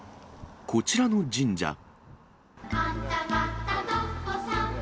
こちらの神社。